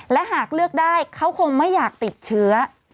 และหากเลือกได้เขาคงไม่อยากติดเชื้อ